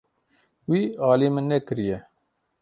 Wî alî min nekiriye.